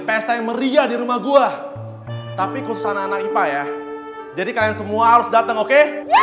pesta yang meriah di rumah gue tapi khusus anak anak ipa ya jadi kalian semua harus datang oke